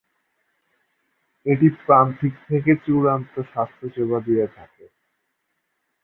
এটি প্রান্তিক থেকে চূড়ান্ত স্বাস্থ্যসেবা দিয়ে থাকে।